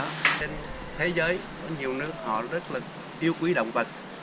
trên thế giới có nhiều nước họ rất là yêu quý động vật